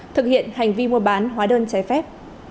thực hiện hành vi mua bán hóa đơn trái phép